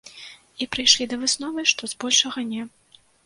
І прыйшлі да высновы, што, з большага, не.